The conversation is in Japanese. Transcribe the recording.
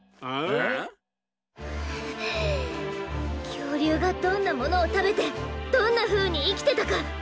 きょうりゅうがどんなものをたべてどんなふうにいきてたか。